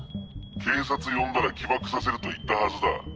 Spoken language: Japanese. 警察呼んだら起爆させると言ったはずだ。